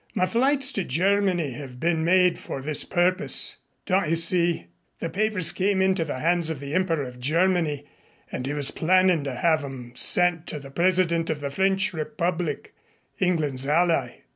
My flights to Germany have been made for this purpose. Don't you see? The papers came into the hands of the Emperor of Germany and he was plannin' to have 'em sent to the President of the French Republic England's ally.